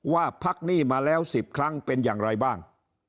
ว่าพักหนี้มาแล้ว๑๐ครั้งเป็นอย่างไรบ้าง